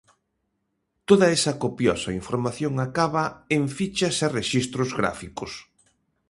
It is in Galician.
Toda esa copiosa información acababa en fichas e rexistros gráficos.